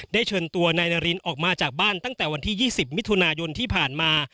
เชิญตัวนายนารินออกมาจากบ้านตั้งแต่วันที่๒๐มิถุนายนที่ผ่านมา